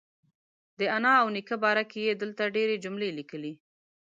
د انا او نیکه باره کې یې دلته ډېرې جملې لیکلي.